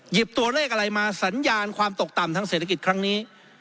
ตัวเลขอะไรมาสัญญาณความตกต่ำทางเศรษฐกิจครั้งนี้